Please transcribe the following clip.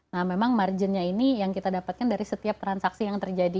nah memang marginnya ini yang kita dapatkan dari setiap transaksi yang terjadi